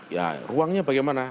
ya ruangnya bagaimana